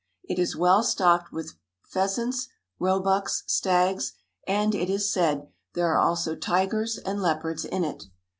It is well stocked with pheasants, roebucks, stags, and, it is said, there are also tigers and leopards in it.